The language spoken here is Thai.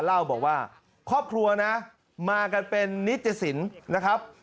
เล่าบอกว่าครอบครัวนะมากันเป็นนิจสินนะครับ